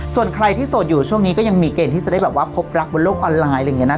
ส่วนใครที่โสดอยู่ช่วงนี้ก็ยังมีเกณฑ์ที่จะได้แบบว่าพบรักบนโลกออนไลน์อะไรอย่างนี้นะ